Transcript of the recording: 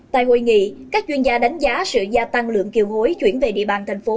tại hội nghị các chuyên gia đánh giá sự gia tăng lượng kiều hối chuyển về địa bàn thành phố